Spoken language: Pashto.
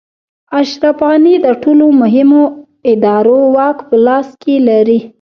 اشرف غني د ټولو مهمو ادارو واک په لاس کې لري.